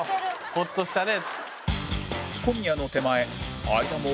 ホッとしたね。